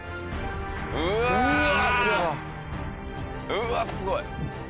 うわっすごい！